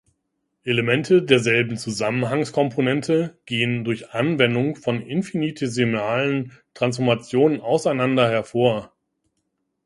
Elemente derselben Zusammenhangskomponente gehen durch Anwendung von infinitesimalen Transformationen auseinander hervor.